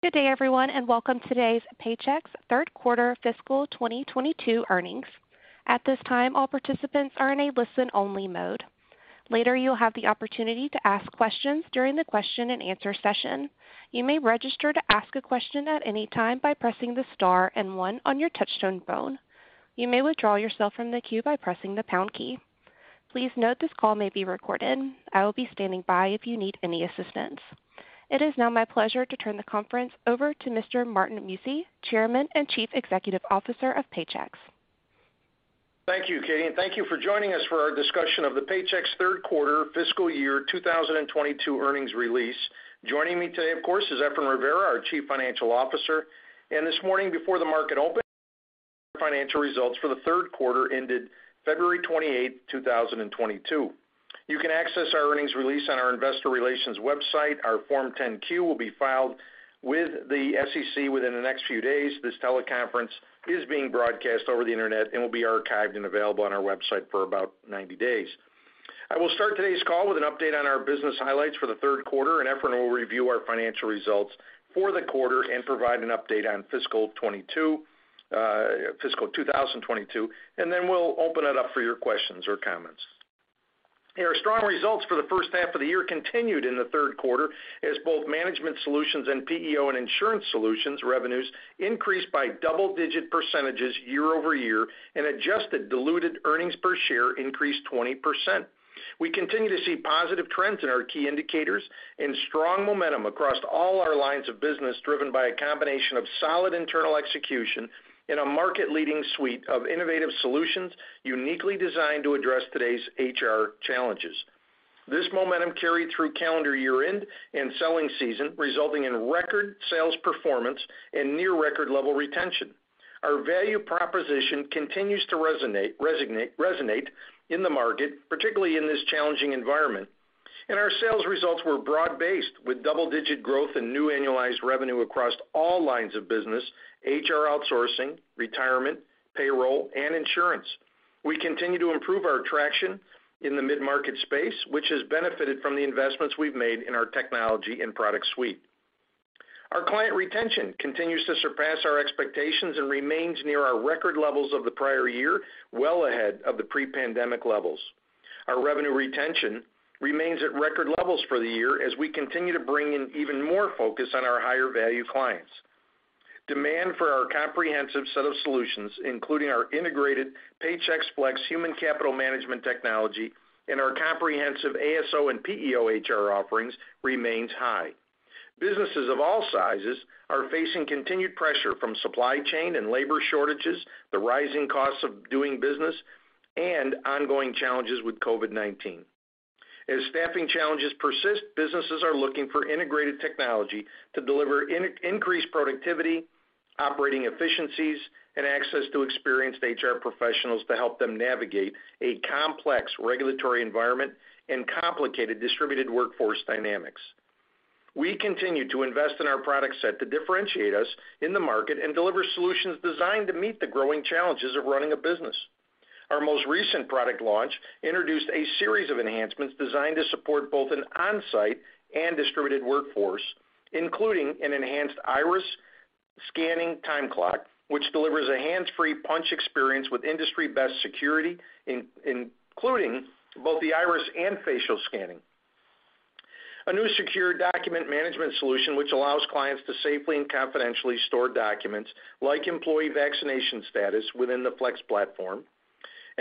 Good day, everyone, and welcome to today's Paychex third quarter fiscal 2022 earnings. At this time, all participants are in a listen-only mode. Later, you'll have the opportunity to ask questions during the question-and-answer session. You may register to ask a question at any time by pressing the star and one on your touchtone phone. You may withdraw yourself from the queue by pressing the Pound key. Please note this call may be recorded. I will be standing by if you need any assistance. It is now my pleasure to turn the conference over to Mr. Martin Mucci, Chairman and Chief Executive Officer of Paychex. Thank you, Katie, and thank you for joining us for our discussion of the Paychex third quarter fiscal year 2022 earnings release. Joining me today, of course, is Efrain Rivera, our Chief Financial Officer. This morning before the market opened, we issued our financial results for the third quarter ended February 28th, 2022. You can access our earnings release on our investor relations website. Our Form 10-Q will be filed with the SEC within the next few days. This teleconference is being broadcast over the Internet and will be archived and available on our website for about 90 days. I will start today's call with an update on our business highlights for the third quarter, and Efrain will review our financial results for the quarter and provide an update on fiscal 2022, fiscal 2022. We'll open it up for your questions or comments. Our strong results for the first half of the year continued in the third quarter as both Management Solutions and PEO and Insurance Solutions revenues increased by double-digit percentages year-over-year and adjusted diluted earnings per share increased 20%. We continue to see positive trends in our key indicators and strong momentum across all our lines of business, driven by a combination of solid internal execution and a market-leading suite of innovative solutions uniquely designed to address today's HR challenges. This momentum carried through calendar year-end and selling season, resulting in record sales performance and near record level retention. Our value proposition continues to resonate in the market, particularly in this challenging environment. Our sales results were broad-based with double-digit growth and new annualized revenue across all lines of business, HR outsourcing, retirement, payroll, and insurance. We continue to improve our traction in the mid-market space, which has benefited from the investments we've made in our technology and product suite. Our client retention continues to surpass our expectations and remains near our record levels of the prior year, well ahead of the pre-pandemic levels. Our revenue retention remains at record levels for the year as we continue to bring in even more focus on our higher value clients. Demand for our comprehensive set of solutions, including our integrated Paychex Flex Human Capital Management technology and our comprehensive ASO and PEO HR offerings, remains high. Businesses of all sizes are facing continued pressure from supply chain and labor shortages, the rising costs of doing business, and ongoing challenges with COVID-19. As staffing challenges persist, businesses are looking for integrated technology to deliver increased productivity, operating efficiencies, and access to experienced HR professionals to help them navigate a complex regulatory environment and complicated distributed workforce dynamics. We continue to invest in our product set to differentiate us in the market and deliver solutions designed to meet the growing challenges of running a business. Our most recent product launch introduced a series of enhancements designed to support both an on-site and distributed workforce, including an enhanced iris scanning time clock, which delivers a hands-free punch experience with industry-best security, including both the iris and facial scanning, a new secure document management solution, which allows clients to safely and confidentially store documents, like employee vaccination status, within the Flex platform, and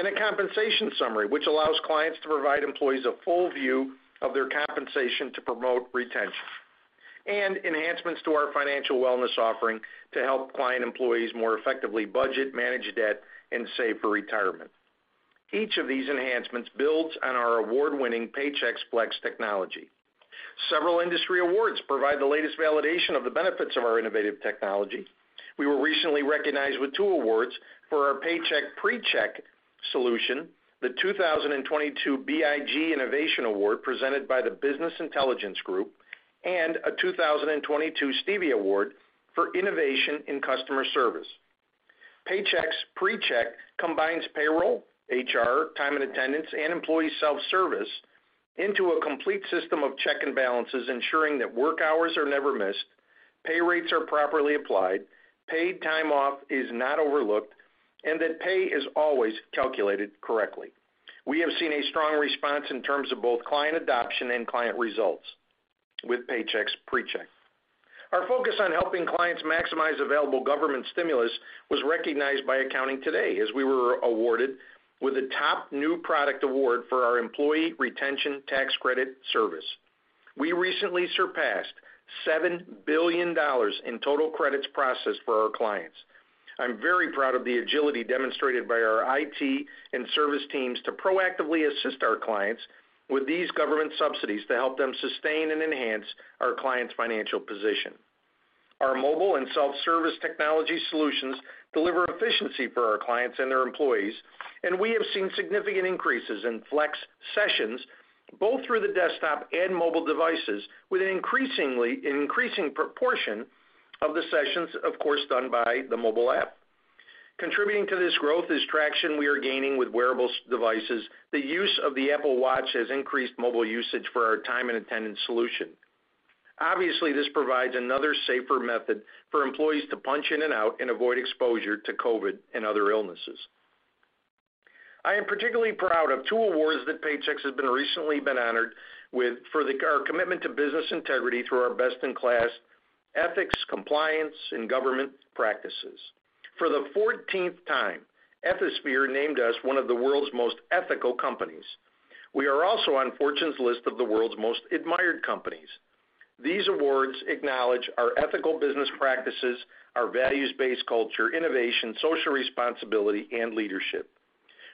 a compensation summary, which allows clients to provide employees a full view of their compensation to promote retention. Enhancements to our financial wellness offering to help client employees more effectively budget, manage debt, and save for retirement. Each of these enhancements builds on our award-winning Paychex Flex technology. Several industry awards provide the latest validation of the benefits of our innovative technology. We were recently recognized with two awards for our Paychex Pre-Check solution, the 2022 BIG Innovation Award presented by the Business Intelligence Group, and a 2022 Stevie Award for innovation in customer service. Paychex Pre-Check combines payroll, HR, time and attendance, and employee self-service into a complete system of check and balances, ensuring that work hours are never missed, pay rates are properly applied, paid time off is not overlooked, and that pay is always calculated correctly. We have seen a strong response in terms of both client adoption and client results with Paychex Pre-Check. Our focus on helping clients maximize available government stimulus was recognized by Accounting Today as we were awarded with the Top New Product Award for our Employee Retention Tax Credit service. We recently surpassed $7 billion in total credits processed for our clients. I'm very proud of the agility demonstrated by our IT and service teams to proactively assist our clients with these government subsidies to help them sustain and enhance our clients' financial position. Our mobile and self-service technology solutions deliver efficiency for our clients and their employees, and we have seen significant increases in Flex sessions, both through the desktop and mobile devices, with an increasing proportion of the sessions, of course, done by the mobile app. Contributing to this growth is traction we are gaining with wearables devices. The use of the Apple Watch has increased mobile usage for our time and attendance solution. Obviously, this provides another safer method for employees to punch in and out and avoid exposure to COVID and other illnesses. I am particularly proud of two awards that Paychex has recently been honored with for our commitment to business integrity through our best-in-class ethics, compliance, and government practices. For the 14th time, Ethisphere named us one of the world's most ethical companies. We are also on Fortune's list of the world's most admired companies. These awards acknowledge our ethical business practices, our values-based culture, innovation, social responsibility, and leadership.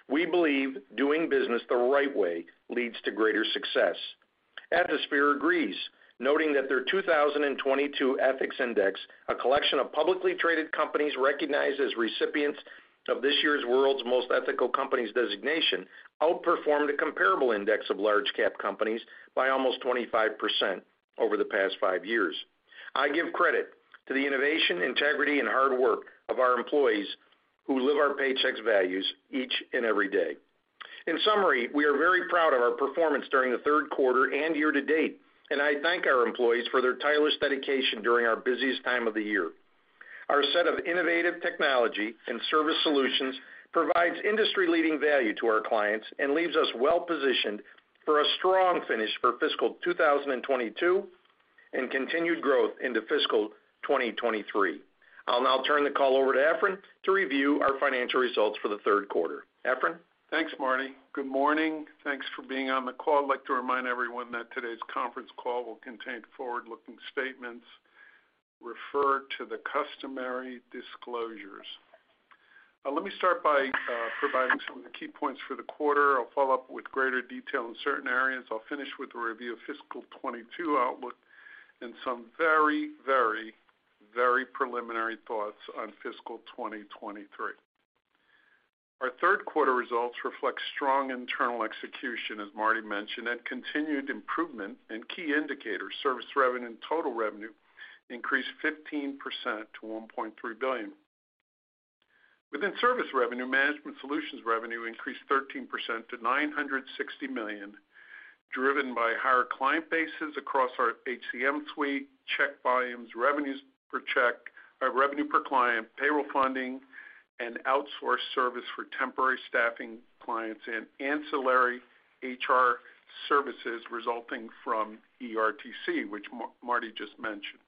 We believe doing business the right way leads to greater success. Ethisphere agrees, noting that their 2022 ethics index, a collection of publicly traded companies recognized as recipients of this year's World's Most Ethical Companies designation, outperformed a comparable index of large cap companies by almost 25% over the past five years. I give credit to the innovation, integrity, and hard work of our employees who live our Paychex values each and every day. In summary, we are very proud of our performance during the third quarter and year-to-date, and I thank our employees for their tireless dedication during our busiest time of the year. Our set of innovative technology and service solutions provides industry-leading value to our clients and leaves us well-positioned for a strong finish for fiscal 2022 and continued growth into fiscal 2023. I'll now turn the call over to Efrain to review our financial results for the third quarter. Efrain? Thanks, Marty. Good morning. Thanks for being on the call. I'd like to remind everyone that today's conference call will contain forward-looking statements, refer to the customary disclosures. Let me start by providing some of the key points for the quarter. I'll follow up with greater detail in certain areas. I'll finish with a review of fiscal 2022 outlook and some very preliminary thoughts on fiscal 2023. Our third quarter results reflect strong internal execution, as Marty mentioned, and continued improvement in key indicators. Service revenue and total revenue increased 15% to $1.3 billion. Within service revenue, Management Solutions revenue increased 13% to $960 million, driven by higher client bases across our HCM suite, check volumes, revenue per client, payroll funding, and outsourced service for temporary staffing clients and ancillary HR services resulting from ERTC, which Marty just mentioned.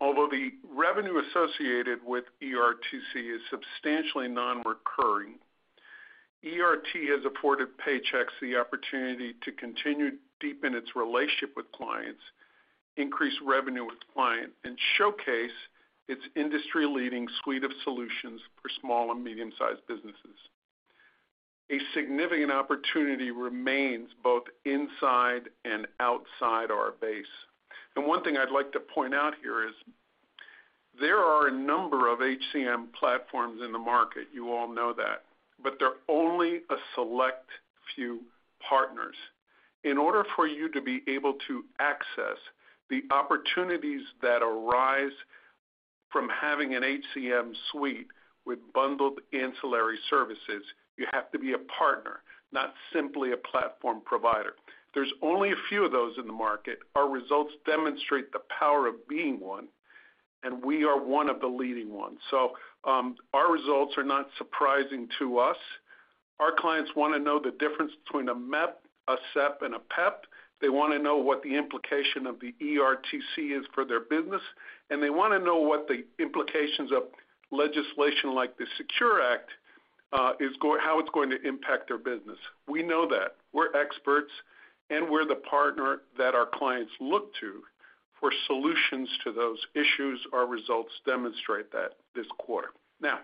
Although the revenue associated with ERTC is substantially nonrecurring, ERTC has afforded Paychex the opportunity to continue to deepen its relationship with clients, increase revenue per client, and showcase its industry-leading suite of solutions for small and medium-sized businesses. A significant opportunity remains both inside and outside our base. One thing I'd like to point out here is there are a number of HCM platforms in the market, you all know that, but there are only a select few partners. In order for you to be able to access the opportunities that arise from having an HCM suite with bundled ancillary services, you have to be a partner, not simply a platform provider. There's only a few of those in the market. Our results demonstrate the power of being one, and we are one of the leading ones. Our results are not surprising to us. Our clients wanna know the difference between a MEP, a SEP, and a PEP. They wanna know what the implication of the ERTC is for their business, and they wanna know what the implications of legislation like the SECURE Act, how it's going to impact their business. We know that. We're experts, and we're the partner that our clients look to for solutions to those issues. Our results demonstrate that this quarter. Now,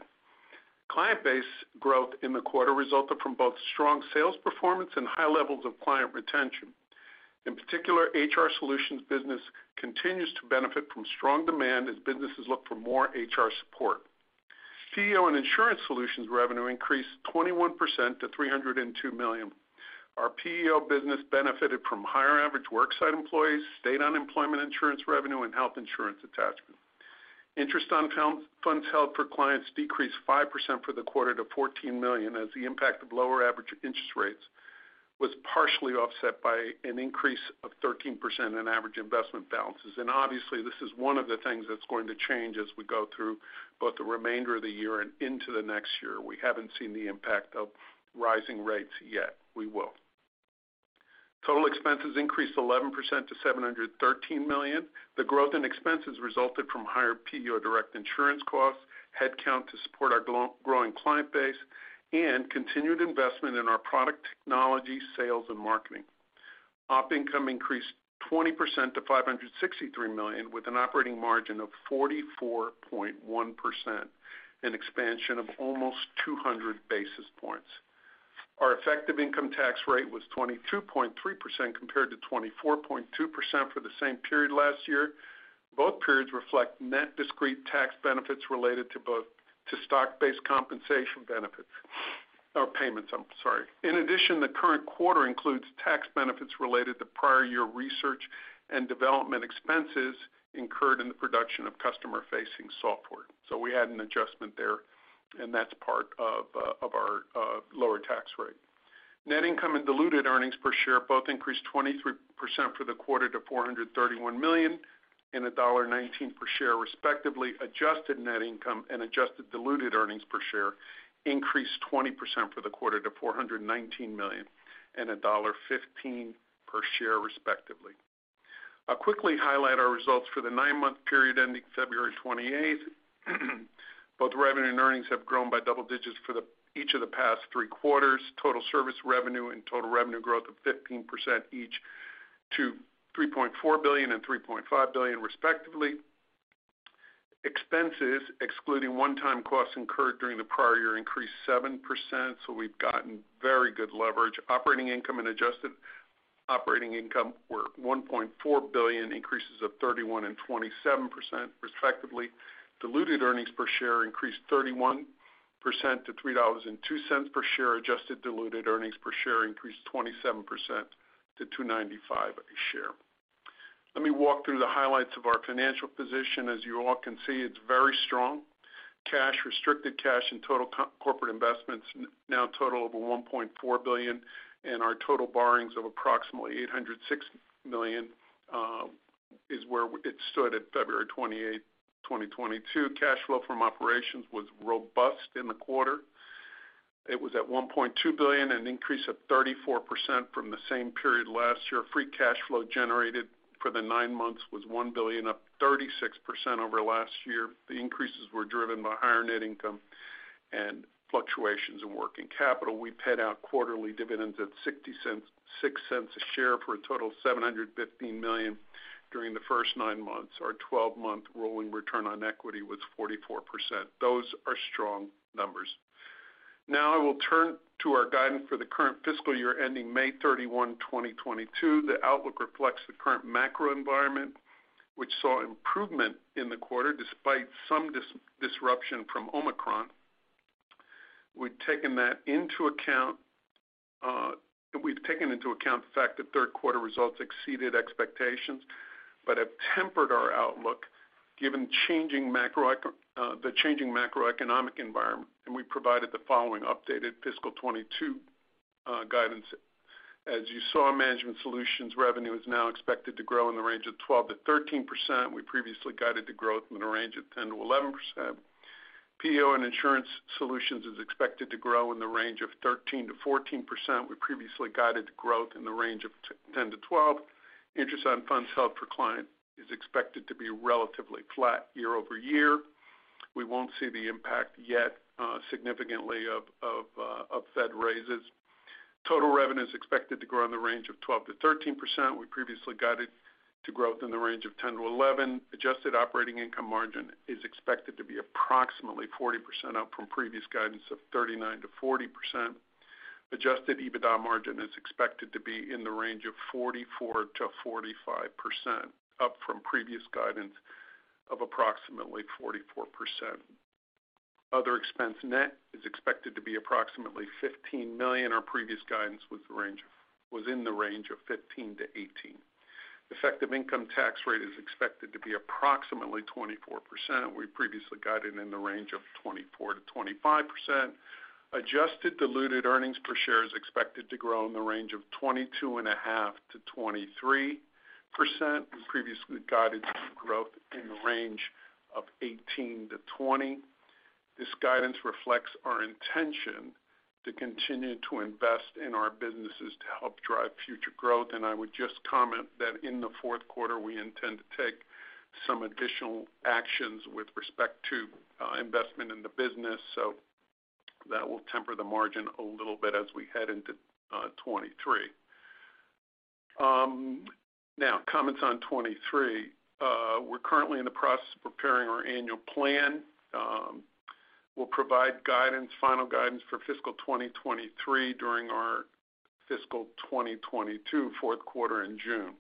client base growth in the quarter resulted from both strong sales performance and high levels of client retention. In particular, HR Solutions business continues to benefit from strong demand as businesses look for more HR support. PEO and Insurance Solutions revenue increased 21% to $302 million. Our PEO business benefited from higher average worksite employees, state unemployment insurance revenue, and health insurance attachment. Interest on funds held for clients decreased 5% for the quarter to $14 million as the impact of lower average interest rates was partially offset by an increase of 13% in average investment balances. Obviously, this is one of the things that's going to change as we go through both the remainder of the year and into the next year. We haven't seen the impact of rising rates yet. We will. Total expenses increased 11% to $713 million. The growth in expenses resulted from higher PEO direct insurance costs, headcount to support our growing client base, and continued investment in our product technology, sales, and marketing. Operating income increased 20% to $563 million, with an operating margin of 44.1%, an expansion of almost 200 basis points. Our effective income tax rate was 22.3% compared to 24.2% for the same period last year. Both periods reflect net discrete tax benefits related to stock-based compensation benefits. Or payments, I'm sorry. In addition, the current quarter includes tax benefits related to prior year research and development expenses incurred in the production of customer-facing software. We had an adjustment there, and that's part of our lower tax rate. Net income and diluted earnings per share both increased 23% for the quarter to $431 million and $1.19 per share, respectively. Adjusted net income and adjusted diluted earnings per share increased 20% for the quarter to $419 million and $1.15 per share, respectively. I'll quickly highlight our results for the nine month period ending February 28th. Both revenue and earnings have grown by double digits for each of the past three quarters. Total service revenue and total revenue growth of 15% each to $3.4 billion and $3.5 billion, respectively. Expenses, excluding one-time costs incurred during the prior year, increased 7%, so we've gotten very good leverage. Operating income and adjusted operating income were $1.4 billion, increases of 31% and 27%, respectively. Diluted earnings per share increased 31% to $3.02 per share. Adjusted diluted earnings per share increased 27% to $2.95 a share. Let me walk through the highlights of our financial position. As you all can see, it's very strong. Cash, restricted cash, and total corporate investments now total over $1.4 billion, and our total borrowings of approximately $860 million is where it stood at February 28th, 2022. Cash flow from operations was robust in the quarter. It was at $1.2 billion, an increase of 34% from the same period last year. Free cash flow generated for the nine months was $1 billion, up 36% over last year. The increases were driven by higher net income and fluctuations in working capital. We paid out quarterly dividends of $0.06 a share for a total of $715 million during the first nine months. Our 12 month rolling return on equity was 44%. Those are strong numbers. Now I will turn to our guidance for the current fiscal year ending May 31st, 2022. The outlook reflects the current macro environment, which saw improvement in the quarter despite some disruption from Omicron. We've taken that into account, and we've taken into account the fact that third quarter results exceeded expectations but have tempered our outlook given the changing macroeconomic environment, and we provided the following updated fiscal 2022 guidance. As you saw, Management Solutions revenue is now expected to grow in the range of 12%-13%. We previously guided the growth in a range of 10%-11%. PEO and Insurance Solutions is expected to grow in the range of 13%-14%. We previously guided the growth in the range of 10%-12%. Interest on funds held for client is expected to be relatively flat year-over-year. We won't see the impact yet significantly of Fed raises. Total revenue is expected to grow in the range of 12%-13%. We previously guided the growth in the range of 10%-11%. Adjusted operating income margin is expected to be approximately 40%, up from previous guidance of 39%-40%. Adjusted EBITDA margin is expected to be in the range of 44%-45%, up from previous guidance of approximately 44%. Other expense, net is expected to be approximately $15 million. Our previous guidance was in the range of 15-18. Effective income tax rate is expected to be approximately 24%. We previously guided in the range of 24%-25%. Adjusted diluted earnings per share is expected to grow in the range of 22.5%-23%. We previously guided to growth in the range of 18%-20%. This guidance reflects our intention to continue to invest in our businesses to help drive future growth. I would just comment that in the fourth quarter, we intend to take some additional actions with respect to investment in the business, so that will temper the margin a little bit as we head into 2023. Now comments on 2023. We're currently in the process of preparing our annual plan. We'll provide guidance, final guidance for fiscal 2023 during our fiscal 2022 fourth quarter in June.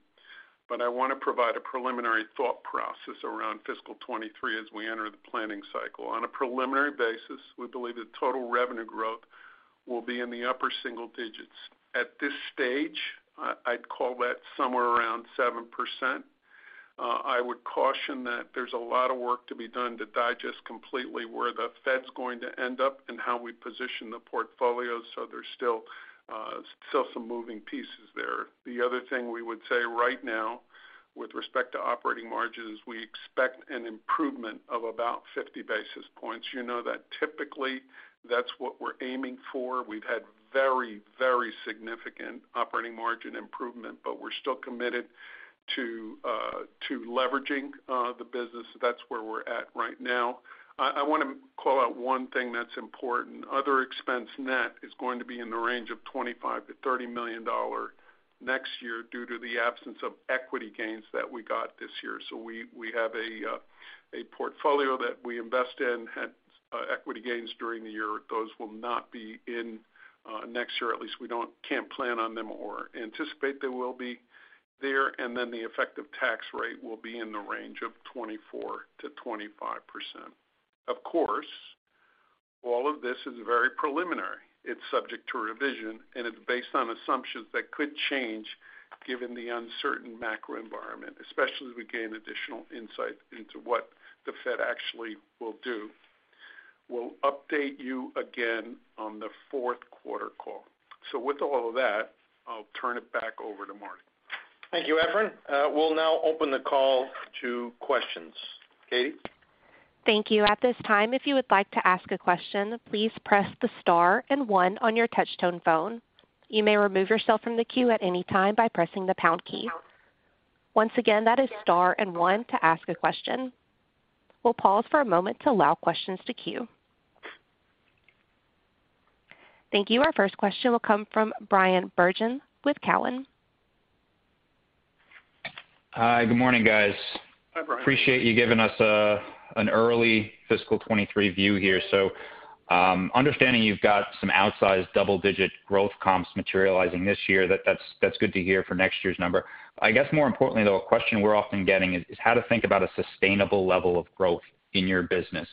I wanna provide a preliminary thought process around fiscal 2023 as we enter the planning cycle. On a preliminary basis, we believe that total revenue growth will be in the upper single digits. At this stage, I'd call that somewhere around 7%. I would caution that there's a lot of work to be done to digest completely where the Fed's going to end up and how we position the portfolio, so there's still some moving pieces there. The other thing we would say right now with respect to operating margin is we expect an improvement of about 50 basis points. You know that typically that's what we're aiming for. We've had very, very significant operating margin improvement, but we're still committed to leveraging the business. That's where we're at right now. I wanna call out one thing that's important. Other expense net is going to be in the range of $25 million-$30 million next year due to the absence of equity gains that we got this year. We have a portfolio that we invest in had equity gains during the year. Those will not be in next year, at least we can't plan on them or anticipate they will be there, and then the effective tax rate will be in the range of 24%-25%. Of course, all of this is very preliminary. It's subject to revision, and it's based on assumptions that could change given the uncertain macro environment, especially as we gain additional insight into what the Fed actually will do. We'll update you again on the fourth quarter call. With all of that, I'll turn it back over to Marty. Thank you, Efrain. We'll now open the call to questions. Katie? Thank you. At this time, if you would like to ask a question, please press the star and one on your touch tone phone. You may remove yourself from the queue at any time by pressing the pound key. Once again, that is star and one to ask a question. We'll pause for a moment to allow questions to queue. Thank you. Our first question will come from Bryan Bergin with Cowen. Hi, good morning, guys. Hi, Bryan. Appreciate you giving us an early fiscal 2023 view here. Understanding you've got some outsized double-digit growth comps materializing this year, that's good to hear for next year's number. I guess more importantly, though, a question we're often getting is how to think about a sustainable level of growth in your business.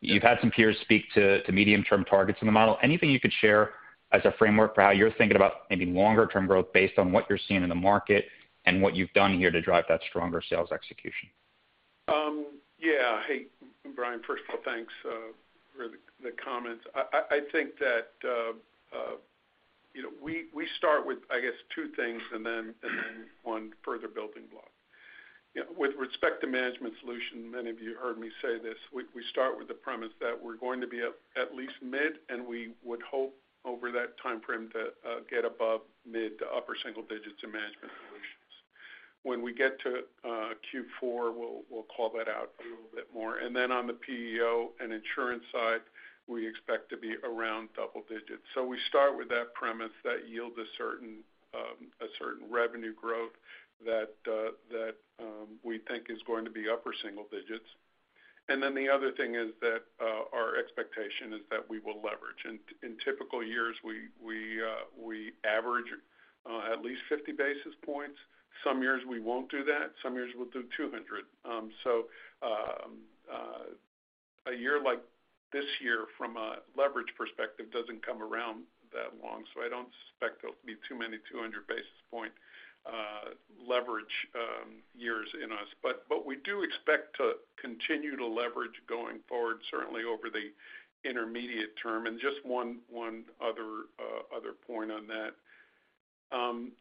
You've had some peers speak to medium-term targets in the model. Anything you could share as a framework for how you're thinking about maybe longer-term growth based on what you're seeing in the market and what you've done here to drive that stronger sales execution? Yeah. Hey, Bryan, first of all, thanks for the comments. I think that you know, we start with, I guess, two things and then one further building block. You know, with respect to Management Solutions, many of you heard me say this, we start with the premise that we're going to be at least mid, and we would hope over that timeframe to get above mid to upper single digits in Management Solutions. When we get to Q4, we'll call that out a little bit more. On the PEO and Insurance Solutions side, we expect to be around double digits. We start with that premise that yields a certain revenue growth that we think is going to be upper single digits. The other thing is that our expectation is that we will leverage. In typical years, we average at least 50 basis points. Some years we won't do that, some years we'll do 200. A year like this year from a leverage perspective doesn't come around that often, so I don't suspect there'll be too many 200 basis point leverage years in us. We do expect to continue to leverage going forward, certainly over the intermediate term. Just one other point on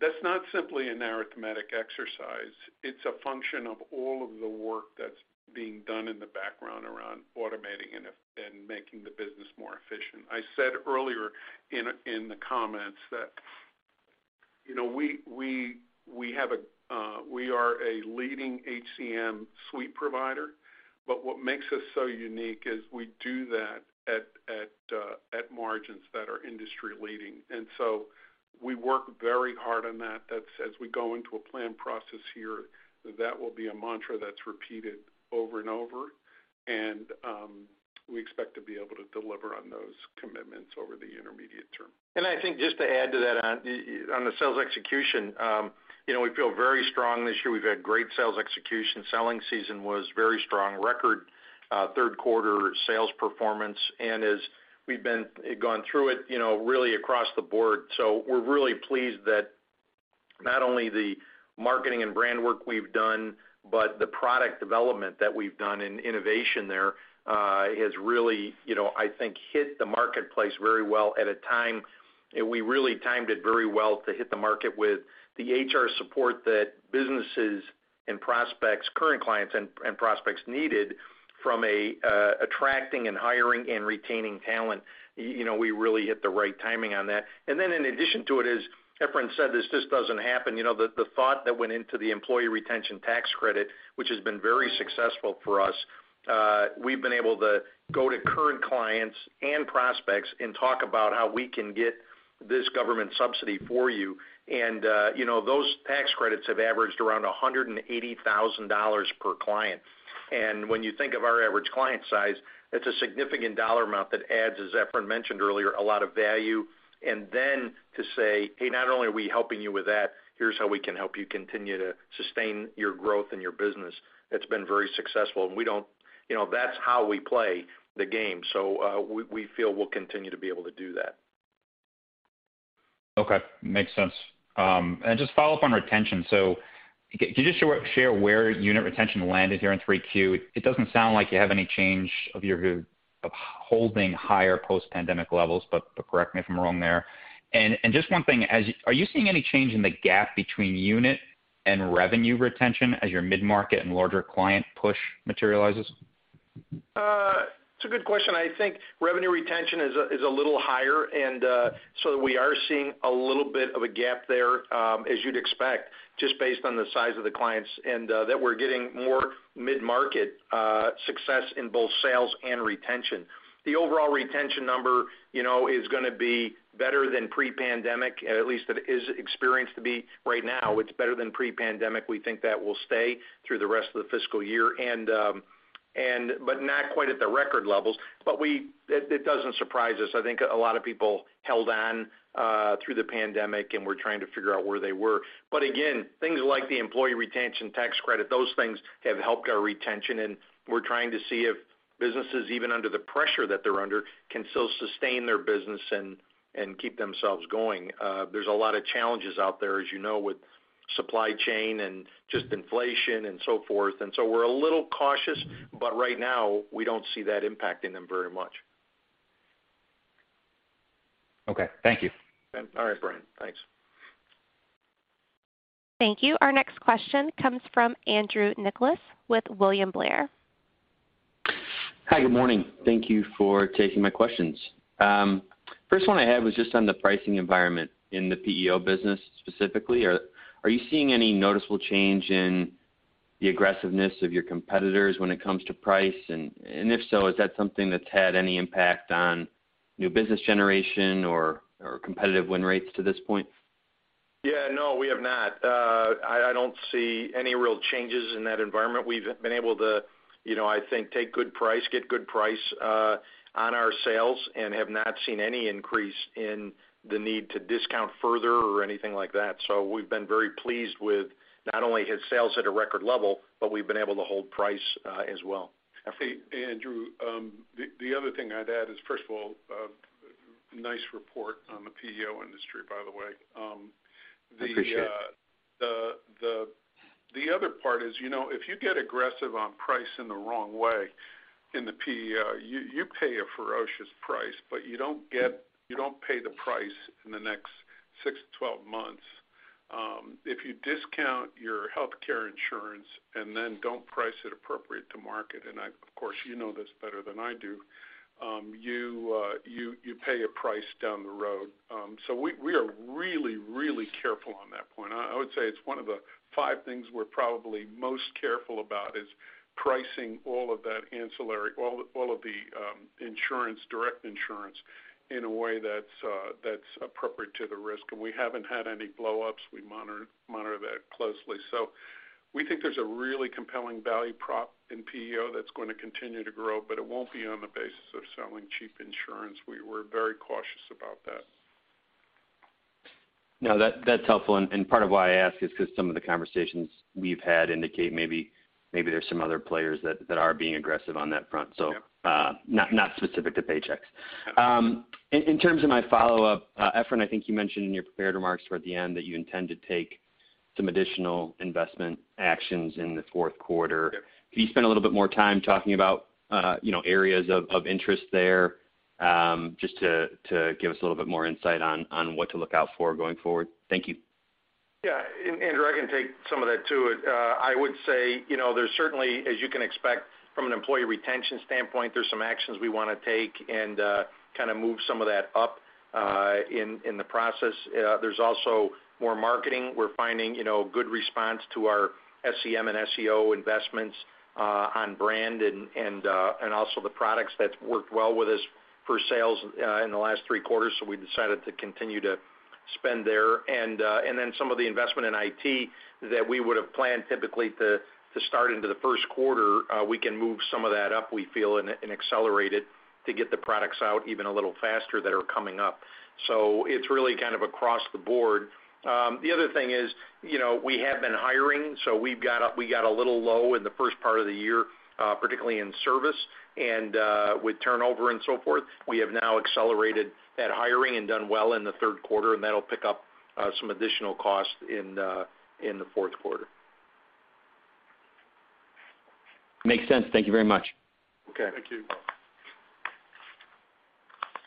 that's not simply an arithmetic exercise. It's a function of all of the work that's being done in the background around automating and making the business more efficient. I said earlier in the comments that, you know, we are a leading HCM suite provider, but what makes us so unique is we do that at margins that are industry-leading. We work very hard on that. That's as we go into a plan process here, that will be a mantra that's repeated over and over, and we expect to be able to deliver on those commitments over the intermediate term. I think just to add to that on the sales execution, you know, we feel very strong this year. We've had great sales execution. Selling season was very strong. Record third quarter sales performance. As we've gone through it, you know, really across the board. We're really pleased that not only the marketing and brand work we've done, but the product development that we've done and innovation there has really, you know, I think hit the marketplace very well at a time we really timed it very well to hit the market with the HR support that businesses and prospects, current clients and prospects needed from attracting and hiring and retaining talent. You know, we really hit the right timing on that. Then in addition to it, as Efrain said, this just doesn't happen. You know, the thought that went into the Employee Retention Tax Credit, which has been very successful for us, we've been able to go to current clients and prospects and talk about how we can get this government subsidy for you. You know, those tax credits have averaged around $180,000 per client. When you think of our average client size, that's a significant dollar amount that adds, as Efrain mentioned earlier, a lot of value. Then to say, "Hey, not only are we helping you with that, here's how we can help you continue to sustain your growth and your business," that's been very successful. You know, that's how we play the game. We feel we'll continue to be able to do that. Okay. Makes sense. Just follow up on retention. Can you just share where unit retention landed here in 3Q? It doesn't sound like you have any change of your holding higher post-pandemic levels, but correct me if I'm wrong there. Just one thing. Are you seeing any change in the gap between unit and revenue retention as your mid-market and larger client push materializes? It's a good question. I think revenue retention is a little higher, and so we are seeing a little bit of a gap there, as you'd expect, just based on the size of the clients and that we're getting more mid-market success in both sales and retention. The overall retention number, you know, is gonna be better than pre-pandemic, at least it is expected to be right now. It's better than pre-pandemic. We think that will stay through the rest of the fiscal year and but not quite at the record levels. It doesn't surprise us. I think a lot of people held on through the pandemic, and we're trying to figure out where they were. Things like the Employee Retention Tax Credit, those things have helped our retention, and we're trying to see if businesses, even under the pressure that they're under, can still sustain their business and keep themselves going. There's a lot of challenges out there, as you know, with supply chain and just inflation and so forth. We're a little cautious, but right now, we don't see that impacting them very much. Okay. Thank you. All right, Bryan. Thanks. Thank you. Our next question comes from Andrew Nicholas with William Blair. Hi, good morning. Thank you for taking my questions. First one I had was just on the pricing environment in the PEO business specifically. Are you seeing any noticeable change in the aggressiveness of your competitors when it comes to price? And if so, is that something that's had any impact on new business generation or competitive win rates to this point? Yeah, no, we have not. I don't see any real changes in that environment. We've been able to, you know, I think, take good price, get good price, on our sales and have not seen any increase in the need to discount further or anything like that. We've been very pleased with not only high sales at a record level, but we've been able to hold price, as well. Hey, Andrew, the other thing I'd add is, first of all, nice report on the PEO industry, by the way. Appreciate it. The other part is, you know, if you get aggressive on price in the wrong way in the PEO, you pay a ferocious price, but you don't pay the price in the next 6 to 12 months. If you discount your healthcare insurance and then don't price it appropriate to market. Of course, you know this better than I do, you pay a price down the road. We are really careful on that point. I would say it's one of the five things we're probably most careful about is pricing all of that ancillary, all of the insurance, direct insurance in a way that's appropriate to the risk. We haven't had any blowups. We monitor that closely. We think there's a really compelling value prop in PEO that's gonna continue to grow, but it won't be on the basis of selling cheap insurance. We're very cautious about that. No, that's helpful. Part of why I ask is because some of the conversations we've had indicate maybe there's some other players that are being aggressive on that front. Not specific to Paychex. In terms of my follow-up, Efrain, I think you mentioned in your prepared remarks toward the end that you intend to take some additional investment actions in the fourth quarter. Yep. Can you spend a little bit more time talking about, you know, areas of interest there, just to give us a little bit more insight on what to look out for going forward? Thank you. Yeah. Andrew, I can take some of that too. I would say, you know, there's certainly, as you can expect from an employee retention standpoint, there's some actions we wanna take and kind of move some of that up in the process. There's also more marketing. We're finding, you know, good response to our SEM and SEO investments on brand and also the products that's worked well with us for sales in the last three quarters, so we decided to continue to spend there. Some of the investment in IT that we would've planned typically to start into the first quarter, we can move some of that up, we feel, and accelerate it to get the products out even a little faster that are coming up. It's really kind of across the board. The other thing is, you know, we have been hiring, so we've got a little low in the first part of the year, particularly in service and with turnover and so forth. We have now accelerated that hiring and done well in the third quarter, and that'll pick up some additional costs in the fourth quarter. Makes sense. Thank you very much. Okay. Thank you.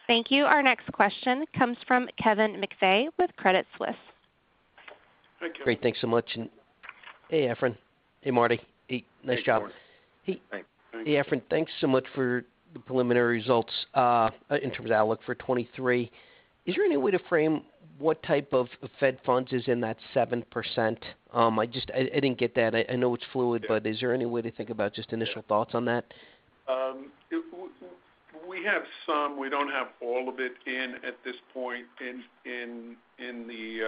Thank you. Our next question comes from Kevin McVeigh with Credit Suisse. Hi, Kevin. Great. Thanks so much. Hey, Efrain. Hey, Marty. Nice job. Hey. Thanks. Hey, Efrain, thanks so much for the preliminary results in terms of outlook for 2023. Is there any way to frame what type of Fed funds is in that 7%? I just didn't get that. I know it's fluid, but is there any way to think about just initial thoughts on that? We have some, we don't have all of it in at this point in the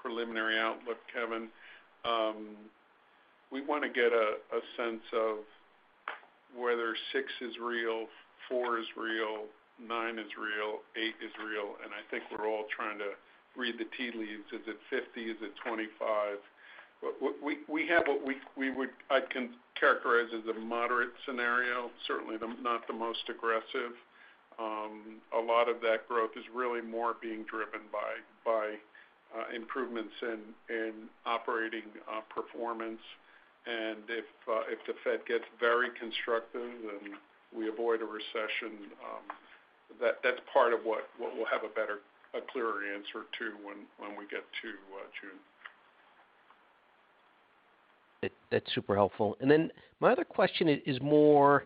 preliminary outlook, Kevin. We wanna get a sense of whether six is real, four is real, nine is real, eight is real, and I think we're all trying to read the tea leaves. Is it 50? Is it 25? We have what I can characterize as a moderate scenario, certainly not the most aggressive. A lot of that growth is really more being driven by improvements in operating performance. If the Fed gets very constructive and we avoid a recession, that's part of what we'll have a better, a clearer answer to when we get to June. That's super helpful. My other question is more.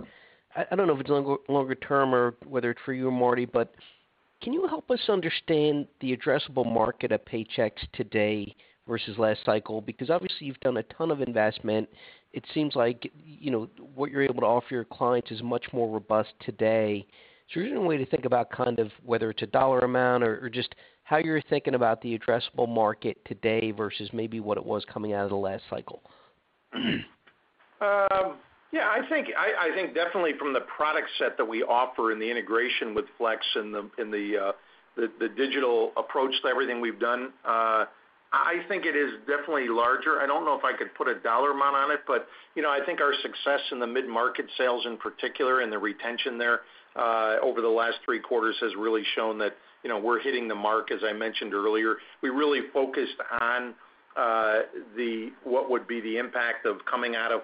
I don't know if it's longer term or whether it's for you or Marty, but can you help us understand the addressable market at Paychex today versus last cycle? Because obviously you've done a ton of investment. It seems like, you know, what you're able to offer your clients is much more robust today. Is there any way to think about kind of whether it's a dollar amount or just how you're thinking about the addressable market today versus maybe what it was coming out of the last cycle? Yeah, I think definitely from the product set that we offer and the integration with Flex and the digital approach to everything we've done, I think it is definitely larger. I don't know if I could put a dollar amount on it, but you know, I think our success in the mid-market sales in particular and the retention there over the last three quarters has really shown that, you know, we're hitting the mark, as I mentioned earlier. We really focused on what would be the impact of coming out of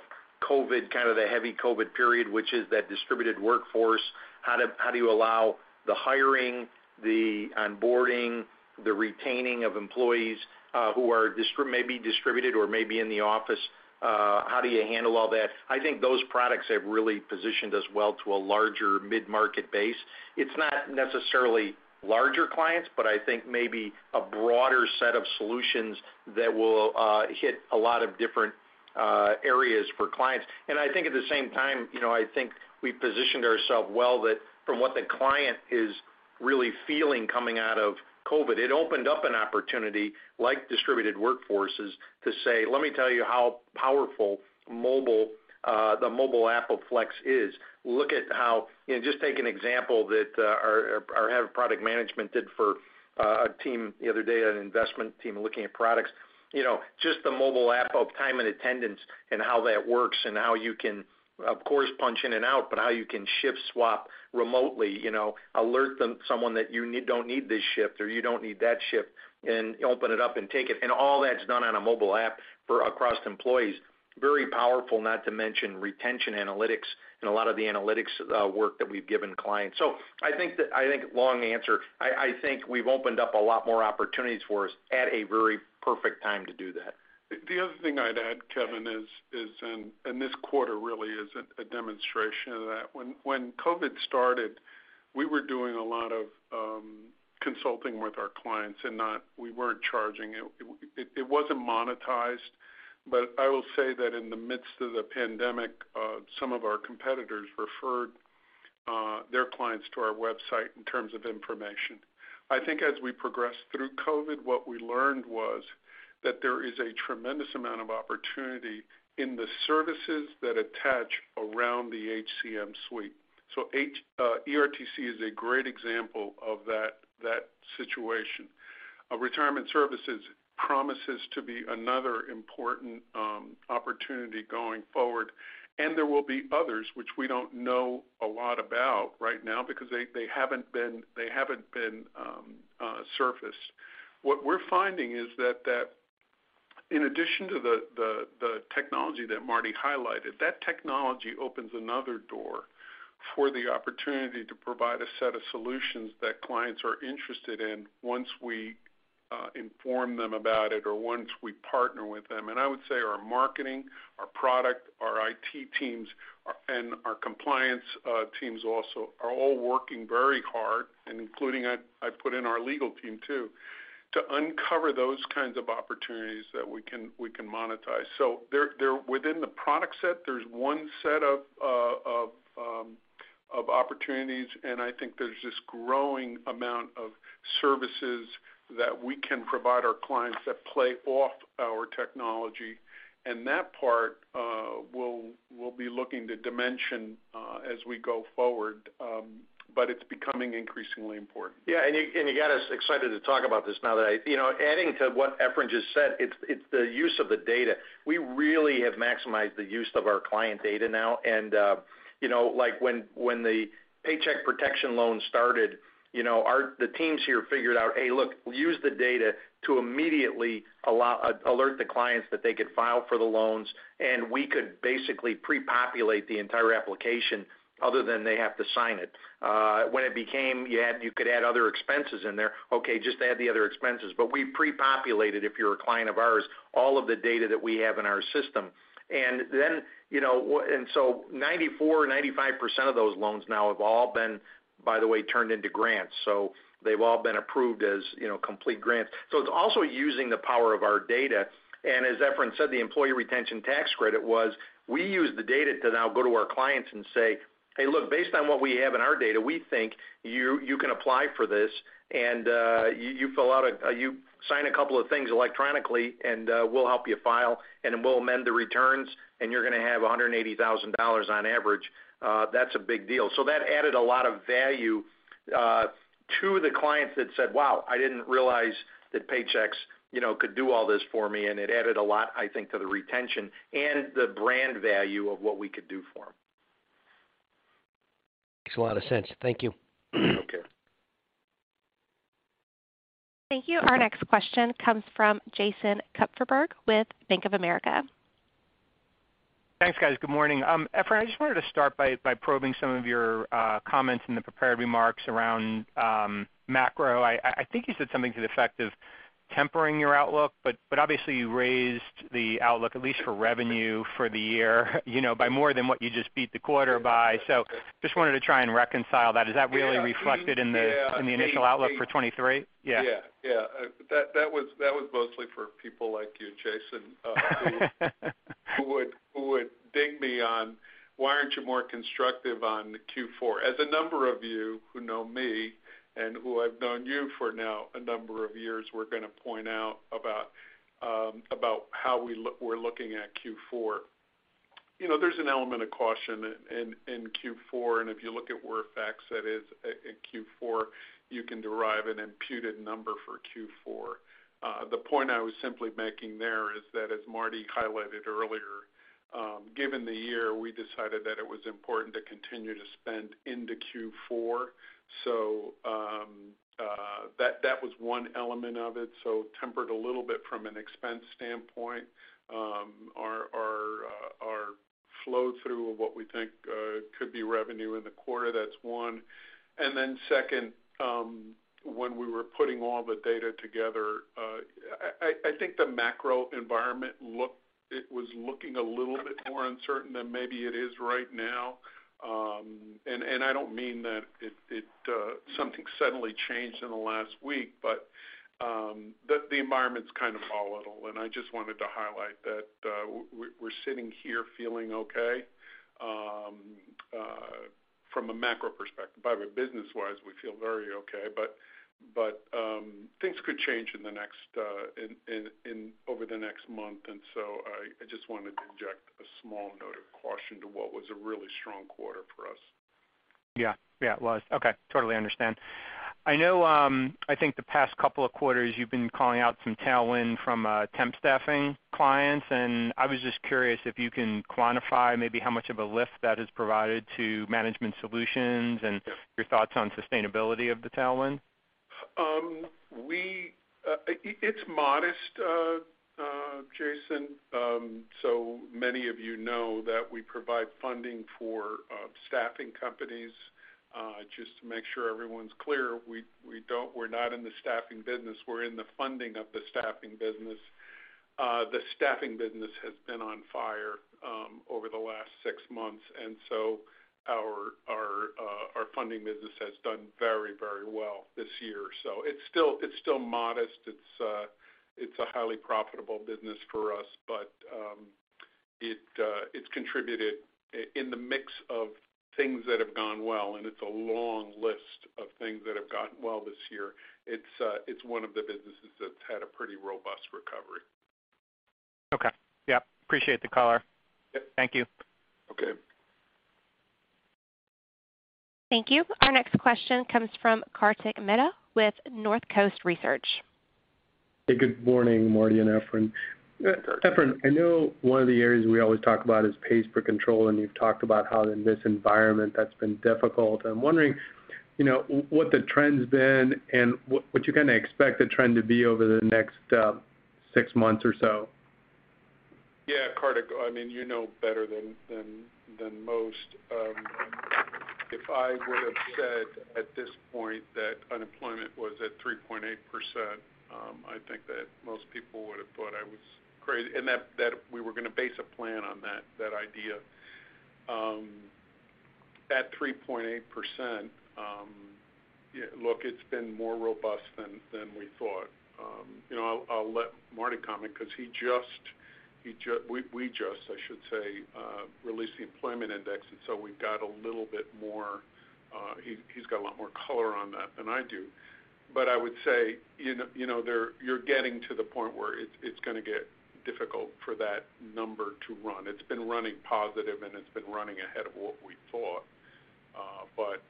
COVID, kind of the heavy COVID period, which is that distributed workforce, how do you allow the hiring, the onboarding, the retaining of employees who are maybe distributed or maybe in the office, how do you handle all that? I think those products have really positioned us well to a larger mid-market base. It's not necessarily larger clients, but I think maybe a broader set of solutions that will hit a lot of different areas for clients. I think at the same time, you know, I think we positioned ourselves well that from what the client is really feeling coming out of COVID, it opened up an opportunity, like distributed workforces, to say, "Let me tell you how powerful mobile, the mobile app of Flex is." Look at how. You know, just take an example that our head of product management did for a team the other day, an investment team looking at products. You know, just the mobile app of time and attendance and how that works and how you can, of course, punch in and out, but how you can shift swap remotely, you know, alert them, someone that you need, don't need this shift or you don't need that shift, and open it up and take it, and all that's done on a mobile app for, across employees. Very powerful, not to mention retention analytics and a lot of the analytics, work that we've given clients. I think, long answer, I think we've opened up a lot more opportunities for us at a very perfect time to do that. The other thing I'd add, Kevin, is and this quarter really is a demonstration of that. When COVID started, we were doing a lot of consulting with our clients and we weren't charging. It wasn't monetized. But I will say that in the midst of the pandemic, some of our competitors referred their clients to our website in terms of information. I think as we progressed through COVID, what we learned was that there is a tremendous amount of opportunity in the services that attach around the HCM suite. So ERTC is a great example of that situation. Our retirement services promises to be another important opportunity going forward, and there will be others which we don't know a lot about right now because they haven't been surfaced. What we're finding is that in addition to the technology that Marty highlighted, that technology opens another door for the opportunity to provide a set of solutions that clients are interested in once we inform them about it or once we partner with them. I would say our marketing, our product, our IT teams, and our compliance teams also are all working very hard, including I put in our legal team too, to uncover those kinds of opportunities that we can monetize. Within the product set, there's one set of opportunities, and I think there's this growing amount of services that we can provide our clients that play off our technology. That part, we'll be looking to dimension as we go forward, but it's becoming increasingly important. Yeah. You got us excited to talk about this. You know, adding to what Efrain just said, it's the use of the data. We really have maximized the use of our client data now. You know, like when the Paycheck Protection Program started, you know, our teams here figured out, "Hey, look, we'll use the data to immediately alert the clients that they could file for the loans," and we could basically prepopulate the entire application other than they have to sign it. When it became you could add other expenses in there, okay, just add the other expenses. We prepopulated, if you're a client of ours, all of the data that we have in our system. 94%-95% of those loans now have all been, by the way, turned into grants. They've all been approved as complete grants. It's also using the power of our data. As Efrain said, the Employee Retention Tax Credit was, we used the data to now go to our clients and say, "Hey, look, based on what we have in our data, we think you can apply for this. And you sign a couple of things electronically, and we'll help you file, and then we'll amend the returns, and you're gonna have $180,000 on average." That's a big deal. That added a lot of value to the clients that said, "Wow, I didn't realize that Paychex, you know, could do all this for me." It added a lot, I think, to the retention and the brand value of what we could do for them. Makes a lot of sense. Thank you. Okay. Thank you. Our next question comes from Jason Kupferberg with Bank of America. Thanks, guys. Good morning. Efrain, I just wanted to start by probing some of your comments in the prepared remarks around macro. I think you said something to the effect of tempering your outlook, but obviously you raised the outlook, at least for revenue for the year, you know, by more than what you just beat the quarter by. Just wanted to try and reconcile that. Is that really reflected in the- Yeah. In the initial outlook for 2023? Yeah. That was mostly for people like you, Jason, who would ding me on why aren't you more constructive on Q4? As a number of you who know me and who I've known for now a number of years, we're gonna point out about how we're looking at Q4. You know, there's an element of caution in Q4, and if you look at FactSet at Q4, you can derive an imputed number for Q4. The point I was simply making there is that as Marty highlighted earlier, given the year, we decided that it was important to continue to spend into Q4. That was one element of it. Tempered a little bit from an expense standpoint. Our flow-through of what we think could be revenue in the quarter. That's one. Second, when we were putting all the data together, I think the macro environment was looking a little bit more uncertain than maybe it is right now. I don't mean that something suddenly changed in the last week, but the environment's kind of volatile, and I just wanted to highlight that we're sitting here feeling okay from a macro perspective. By the way, business-wise, we feel very okay. Things could change over the next month. I just wanted to inject a small note of caution to what was a really strong quarter for us. Yeah. Yeah, it was. Okay, totally understand. I know, I think the past couple of quarters you've been calling out some tailwind from temp staffing clients, and I was just curious if you can quantify maybe how much of a lift that has provided to Management Solutions and your thoughts on sustainability of the tailwind. It's modest, Jason. Many of you know that we provide funding for staffing companies. Just to make sure everyone's clear, we're not in the staffing business, we're in the funding of the staffing business. The staffing business has been on fire over the last six months, and our funding business has done very, very well this year. It's still modest. It's a highly profitable business for us, but it's contributed in the mix of things that have gone well, and it's a long list of things that have gone well this year. It's one of the businesses that's had a pretty robust recovery. Okay. Yeah, appreciate the color. Yeah. Thank you. Okay. Thank you. Our next question comes from Kartik Mehta with Northcoast Research. Hey, good morning, Marty and Efrain. Efrain, I know one of the areas we always talk about is pace for control, and you've talked about how in this environment that's been difficult. I'm wondering, you know, what the trend's been and what you kinda expect the trend to be over the next six months or so? Yeah, Kartik, I mean, you know better than most, if I would have said at this point that unemployment was at 3.8%, I think that most people would have thought I was crazy, and that we were gonna base a plan on that idea. At 3.8%, yeah, look, it's been more robust than we thought. You know, I'll let Marty comment 'cause we just, I should say, released the employment index, and so we've got a little bit more. He's got a lot more color on that than I do. I would say in the, you know, you're getting to the point where it's gonna get difficult for that number to run. It's been running positive, and it's been running ahead of what we thought, but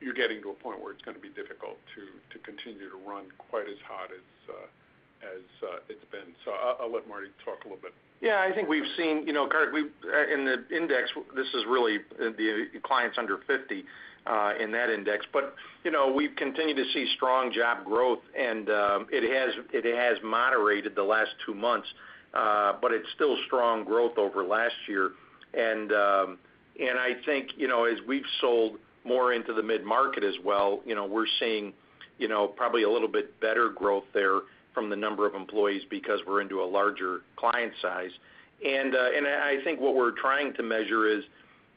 you're getting to a point where it's gonna be difficult to continue to run quite as hot as it's been. I'll let Marty talk a little bit. Yeah, I think we've seen, you know, Kartik, in the index this is really the clients under 50, in that index. You know, we've continued to see strong job growth and, it has moderated the last two months, but it's still strong growth over last year. I think, you know, as we've sold more into the mid-market as well, you know, we're seeing, you know, probably a little bit better growth there from the number of employees because we're into a larger client size. I think what we're trying to measure is,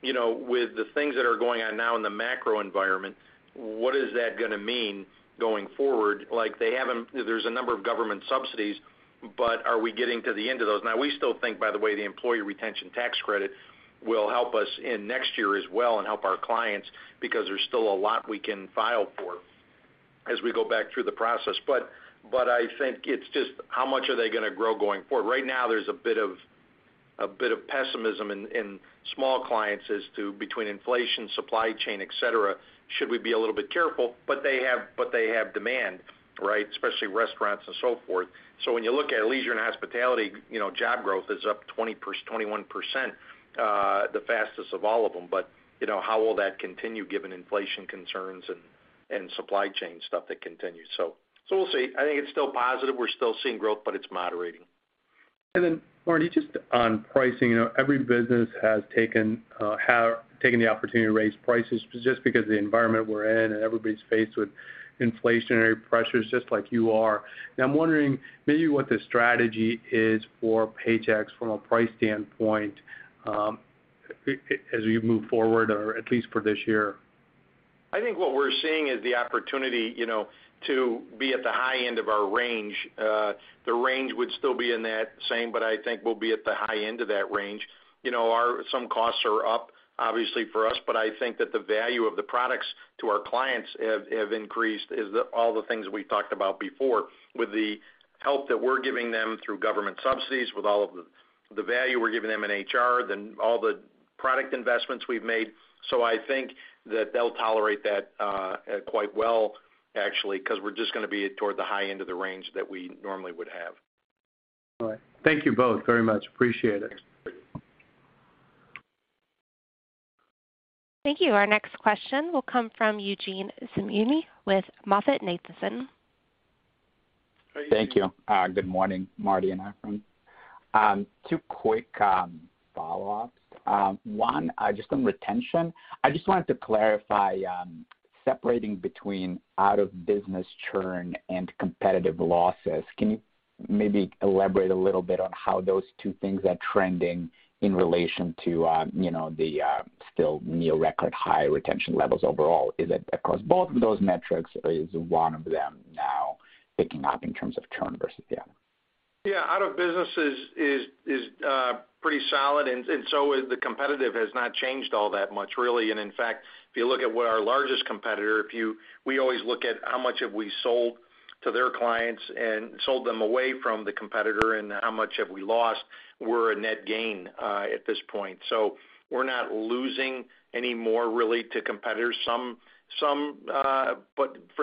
you know, with the things that are going on now in the macro environment, what is that gonna mean going forward? Like, there's a number of government subsidies, but are we getting to the end of those? Now, we still think, by the way, the Employee Retention Tax Credit will help us in next year as well and help our clients, because there's still a lot we can file for as we go back through the process. But I think it's just how much are they gonna grow going forward? Right now, there's a bit of pessimism in small clients as to between inflation, supply chain, et cetera. Should we be a little bit careful? But they have demand, right? Especially restaurants and so forth. So when you look at leisure and hospitality, you know, job growth is up 21%, the fastest of all of them. But you know, how will that continue given inflation concerns and supply chain stuff that continues? So we'll see. I think it's still positive. We're still seeing growth, but it's moderating. Then Marty, just on pricing, you know, every business has taken the opportunity to raise prices just because of the environment we're in and everybody's faced with inflationary pressures just like you are. Now I'm wondering maybe what the strategy is for Paychex from a price standpoint, as we move forward, or at least for this year. I think what we're seeing is the opportunity, you know, to be at the high end of our range. The range would still be in that same, but I think we'll be at the high end of that range. You know, our some costs are up obviously for us, but I think that the value of the products to our clients have increased. It's all the things we talked about before with the help that we're giving them through government subsidies, with all of the value we're giving them in HR, then all the product investments we've made. I think that they'll tolerate that quite well actually, 'cause we're just gonna be toward the high end of the range that we normally would have. All right. Thank you both very much. Appreciate it. Thank you. Our next question will come from Eugene Simuni with MoffettNathanson. Thank you. Good morning, Marty and Efrain. Two quick follow-ups. One, just on retention. I just wanted to clarify, separating between out-of-business churn and competitive losses. Can you maybe elaborate a little bit on how those two things are trending in relation to, you know, the still near record high retention levels overall? Is it across both of those metrics? Is one of them now picking up in terms of churn versus the other? Yeah. Our business is pretty solid and so is the competition. It has not changed all that much, really. In fact, we always look at how much have we sold to their clients and sold them away from the competitor and how much have we lost. We're a net gain at this point. We're not losing any more really to competitors. Some but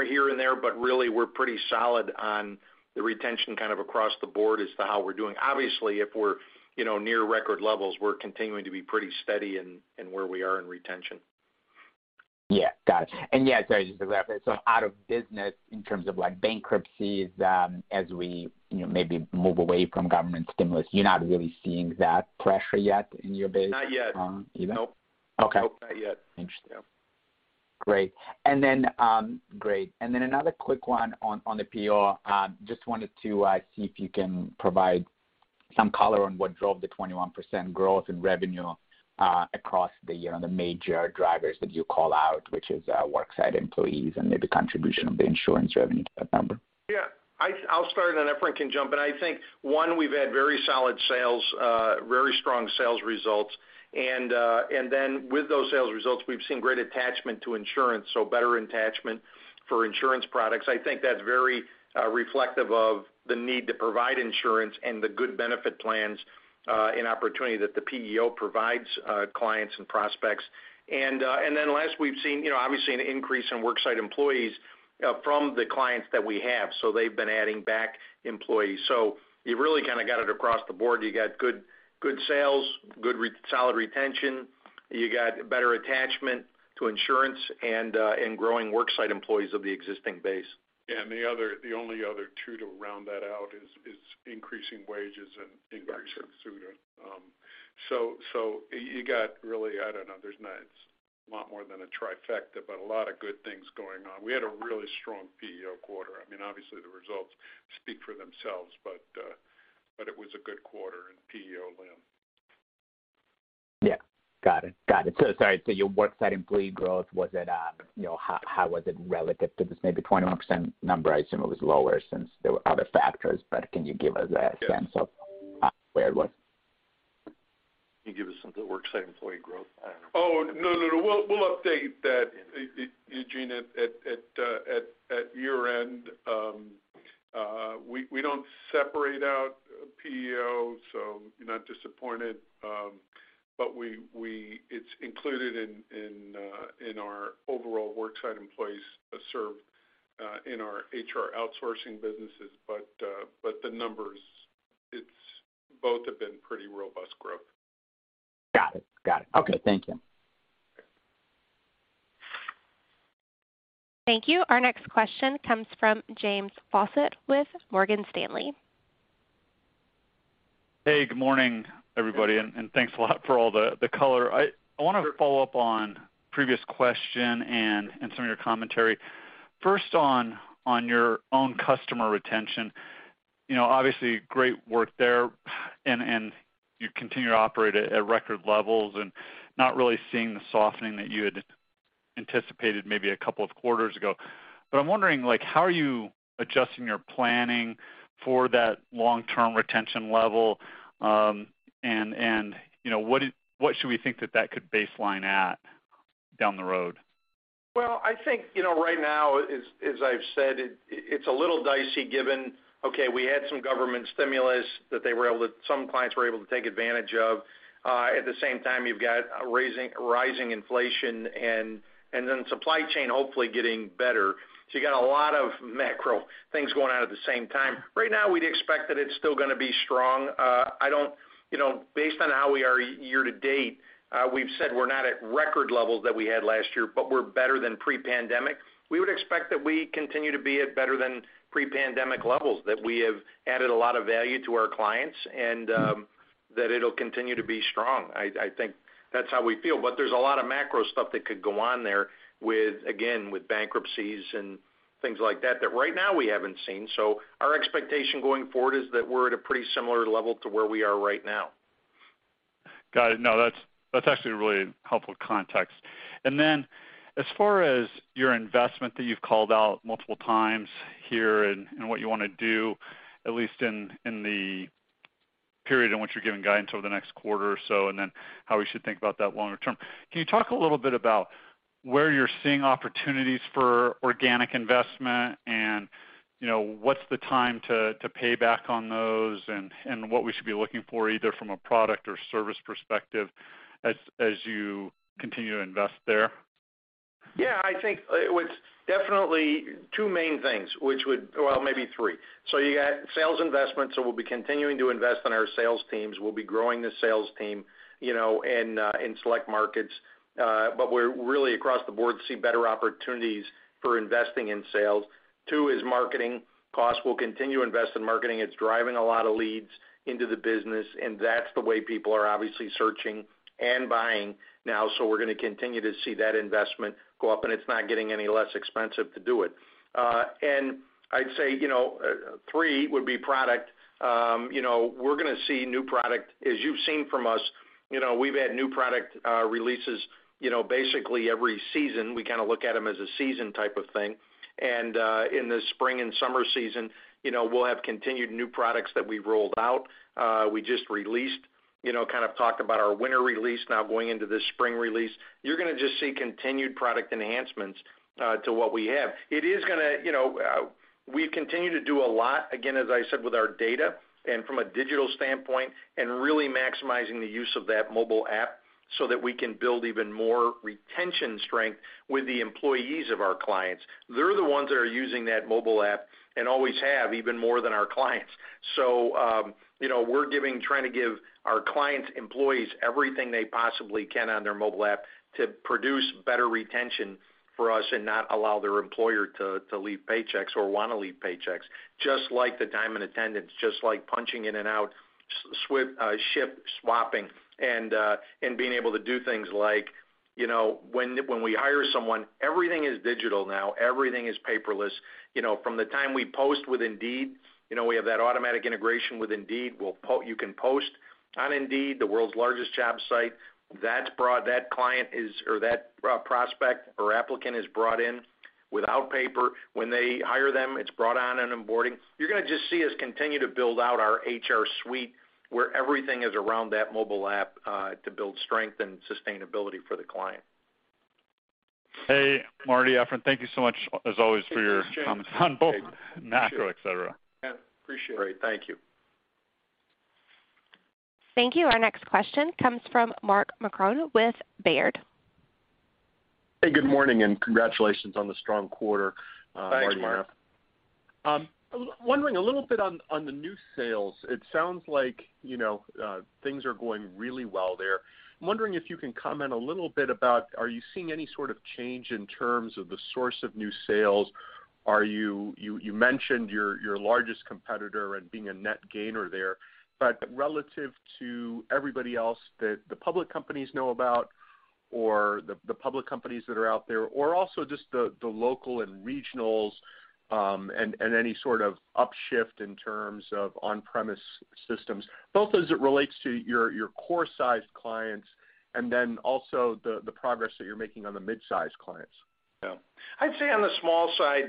here and there, but really we're pretty solid on the retention kind of across the board as to how we're doing. Obviously, if we're, you know, near record levels, we're continuing to be pretty steady in where we are in retention. Yeah. Got it. Yeah, sorry, just to clarify. Out of business in terms of like bankruptcies, as we, you know, maybe move away from government stimulus, you're not really seeing that pressure yet in your base. Not yet. Even? Nope. Okay. Nope, not yet. Interesting. Great. Then another quick one on the PEO. Just wanted to see if you can provide some color on what drove the 21% growth in revenue across the, you know, the major drivers that you call out, which is worksite employees and maybe contribution of the insurance revenue to that number. I'll start, and then Efrain can jump in. I think, one, we've had very solid sales, very strong sales results. With those sales results, we've seen great attachment to insurance, so better attachment for insurance products. I think that's very reflective of the need to provide insurance and the good benefit plans, and opportunity that the PEO provides, clients and prospects. Last, we've seen, you know, obviously an increase in worksite employees, from the clients that we have, so they've been adding back employees. You really kinda got it across the board. You got good sales, solid retention. You got better attachment to insurance and growing worksite employees of the existing base. Yeah. The other two to round that out is increasing wages and increasing SUTA. So I don't know. There's not a lot more than a trifecta, but a lot of good things going on. We had a really strong PEO quarter. I mean, obviously the results speak for themselves, but it was a good quarter in PEO land. Yeah. Got it. Sorry. Your worksite employee growth, was it, you know, how was it relative to this maybe 21% number? I assume it was lower since there were other factors, but can you give us a sense of- Yes Where it was? Can you give us some of the worksite employee growth? I don't know. Oh, no, no. We'll update that, Eugene, at year-end. We don't separate out PEO, so you're not disappointed. It's included in our overall worksite employees served in our HR outsourcing businesses. The numbers, it's both have been pretty robust growth. Got it. Okay. Thank you. Thank you. Our next question comes from James Faucette with Morgan Stanley. Hey, good morning, everybody, and thanks a lot for all the color. I Sure I wanna follow up on previous question and some of your commentary. First on your own customer retention, you know, obviously great work there and you continue to operate at record levels and not really seeing the softening that you had anticipated maybe a couple of quarters ago. I'm wondering, like, how are you adjusting your planning for that long-term retention level? You know, what should we think that could baseline at down the road? Well, I think, you know, right now, as I've said, it's a little dicey given, okay, we had some government stimulus that some clients were able to take advantage of. At the same time, you've got rising inflation and then supply chain hopefully getting better. You got a lot of macro things going on at the same time. Right now, we'd expect that it's still gonna be strong. You know, based on how we are year-to-date, we've said we're not at record levels that we had last year, but we're better than pre-pandemic. We would expect that we continue to be at better than pre-pandemic levels, that we have added a lot of value to our clients and that it'll continue to be strong. I think that's how we feel, but there's a lot of macro stuff that could go on there with, again, with bankruptcies and things like that right now we haven't seen. Our expectation going forward is that we're at a pretty similar level to where we are right now. Got it. No, that's actually really helpful context. As far as your investment that you've called out multiple times here and what you wanna do, at least in the period in which you're giving guidance over the next quarter or so, and then how we should think about that longer term, can you talk a little bit about where you're seeing opportunities for organic investment and, you know, what's the time to pay back on those and what we should be looking for either from a product or service perspective as you continue to invest there? Yeah, I think it was definitely two main things, well, maybe three. You got sales investments, so we'll be continuing to invest on our sales teams. We'll be growing the sales team, you know, in select markets. But we're really across the board seeing better opportunities for investing in sales. Two is marketing costs. We'll continue to invest in marketing. It's driving a lot of leads into the business, and that's the way people are obviously searching and buying now, so we're gonna continue to see that investment go up, and it's not getting any less expensive to do it. I'd say, you know, three would be product. You know, we're gonna see new product. As you've seen from us, you know, we've had new product releases, you know, basically every season. We kinda look at them as a season type of thing. In the spring and summer season, you know, we'll have continued new products that we've rolled out. We just released, you know, kind of talked about our winter release now going into the spring release. You're gonna just see continued product enhancements to what we have. It is gonna, you know, we continue to do a lot, again, as I said, with our data and from a digital standpoint and really maximizing the use of that mobile app so that we can build even more retention strength with the employees of our clients. They're the ones that are using that mobile app and always have even more than our clients. We're trying to give our clients' employees everything they possibly can on their mobile app to produce better retention for us and not allow their employer to leave paychecks or wanna leave paychecks, just like time and attendance, just like punching in and out, shift swapping, and being able to do things like, you know, when we hire someone, everything is digital now, everything is paperless. You know, from the time we post with Indeed, you know, we have that automatic integration with Indeed. You can post on Indeed, the world's largest job site. That prospect or applicant is brought in without paper. When they hire them, it's brought on and onboarding. You're gonna just see us continue to build out our HR suite, where everything is around that mobile app, to build strength and sustainability for the client. Hey, Marty, Efrain, thank you so much as always for your comments on both macro, et cetera. Appreciate it. Thank you. Thank you. Our next question comes from Mark Marcon with Baird. Hey, good morning, and congratulations on the strong quarter, Marty and Efrain. Thanks, Mark. Wondering a little bit on the new sales. It sounds like, you know, things are going really well there. I'm wondering if you can comment a little bit about, are you seeing any sort of change in terms of the source of new sales? You mentioned your largest competitor and being a net gainer there. But relative to everybody else that the public companies know about or the public companies that are out there or also just the local and regionals, and any sort of upshift in terms of on-premise systems, both as it relates to your core sized clients and then also the progress that you're making on the mid-size clients. Yeah. I'd say on the small side,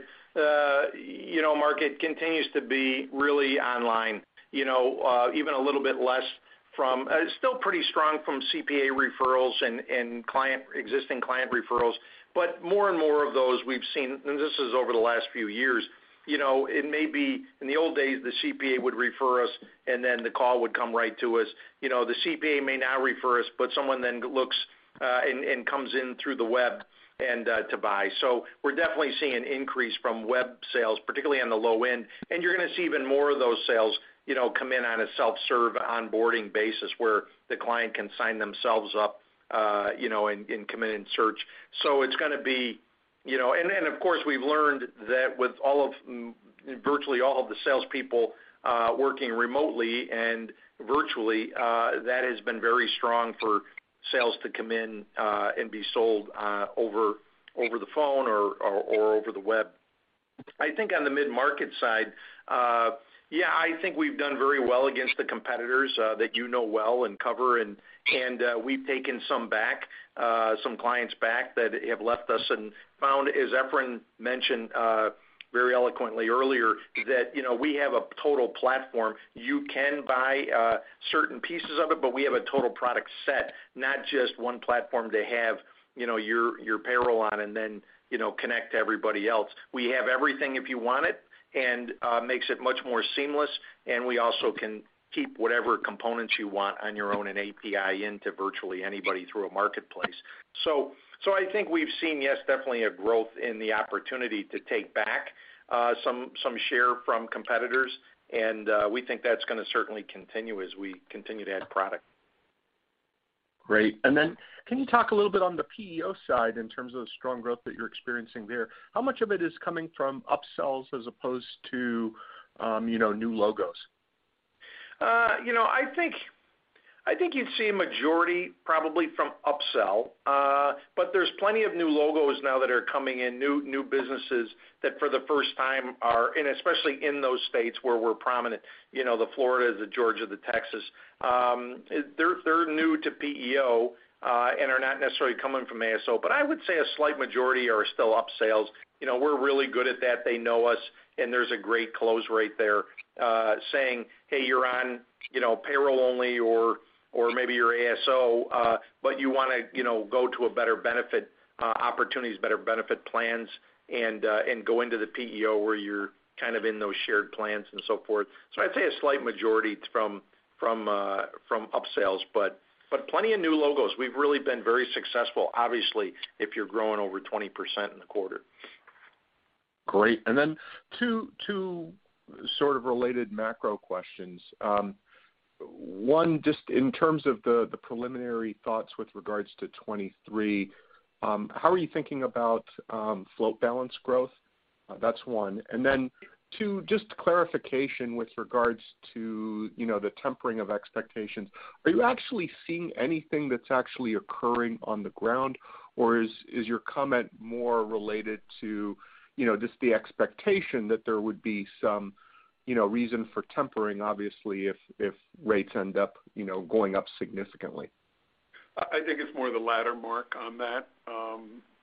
you know, market continues to be really online, you know. It's still pretty strong from CPA referrals and existing client referrals. But more and more of those we've seen, and this is over the last few years. You know, it may be in the old days, the CPA would refer us, and then the call would come right to us. You know, the CPA may now refer us, but someone then looks and comes in through the web and to buy. So we're definitely seeing an increase from web sales, particularly on the low end. You're gonna see even more of those sales, you know, come in on a self-serve onboarding basis, where the client can sign themselves up, you know, and come in and search. It's gonna be. Of course, we've learned that with virtually all of the salespeople working remotely and virtually, that has been very strong for sales to come in and be sold over the phone or over the web. I think on the mid-market side, yeah, I think we've done very well against the competitors that you know well and cover. We've taken some clients back that have left us and found, as Efrain mentioned very eloquently earlier, that you know, we have a total platform. You can buy certain pieces of it, but we have a total product set, not just one platform to have you know, your payroll on and then you know, connect to everybody else. We have everything if you want it, and makes it much more seamless, and we also can keep whatever components you want on your own and API into virtually anybody through a marketplace. I think we've seen, yes, definitely a growth in the opportunity to take back some share from competitors, and we think that's gonna certainly continue as we continue to add product. Great. Can you talk a little bit on the PEO side in terms of the strong growth that you're experiencing there? How much of it is coming from upsells as opposed to new logos? You know, I think you'd see a majority probably from upsell. But there's plenty of new logos now that are coming in, new businesses that for the first time are, and especially in those states where we're prominent, you know, the Florida, the Georgia, the Texas, they're new to PEO, and are not necessarily coming from ASO. I would say a slight majority are still upsales. You know, we're really good at that. They know us, and there's a great close rate there, saying, "Hey, you're on, you know, payroll only or maybe you're ASO, but you wanna, you know, go to a better benefit opportunities, better benefit plans and go into the PEO where you're kind of in those shared plans and so forth." I'd say a slight majority from upsales, but plenty of new logos. We've really been very successful, obviously, if you're growing over 20% in the quarter. Great. Then two sort of related macro questions. One just in terms of the preliminary thoughts with regards to 2023, how are you thinking about float balance growth? That's one. Then two, just clarification with regards to, you know, the tempering of expectations. Are you actually seeing anything that's actually occurring on the ground, or is your comment more related to, you know, just the expectation that there would be some, you know, reason for tempering, obviously, if rates end up, you know, going up significantly? I think it's more the latter, Mark, on that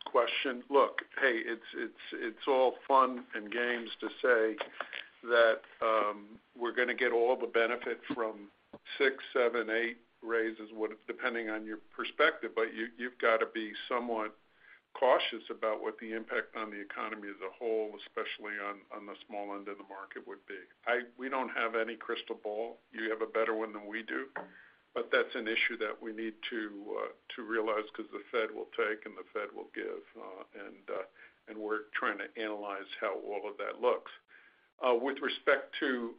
question. Look, hey, it's all fun and games to say that we're gonna get all the benefit from six, seven, eight raises depending on your perspective, but you've gotta be somewhat cautious about what the impact on the economy as a whole, especially on the small end of the market would be. We don't have any crystal ball. You have a better one than we do, but that's an issue that we need to realize 'cause the Fed will take and the Fed will give, and we're trying to analyze how all of that looks. With respect to